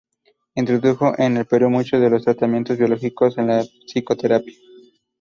Introdujo en el Perú muchos de los tratamientos biológicos en la psiquiatría.